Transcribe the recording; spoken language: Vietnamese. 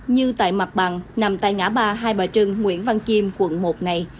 như tại mặt bằng nằm tại ngã ba hai bà trưng nguyễn văn chiêm quận một này